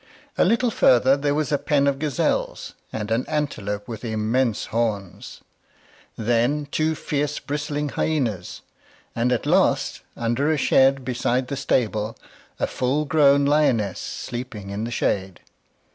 A little farther, there was a pen of gazelles and an antelope with immense horns; then two fierce, bristling hyenas; and at last, under a shed beside the stable, a full grown lioness sleeping in the shade.